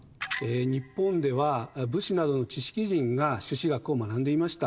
日本では武士などの知識人が朱子学を学んでいました。